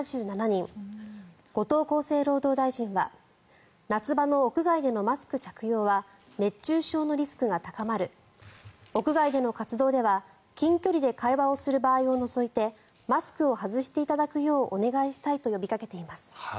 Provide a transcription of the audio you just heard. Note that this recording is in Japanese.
後藤厚生労働大臣は夏場の屋外でのマスク着用は熱中症のリスクが高まる屋外での活動では近距離で会話をする場合を除いてマスクを外していただくようお願いしたいと呼びかけています。